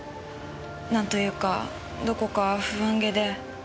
なんというかどこか不安げで。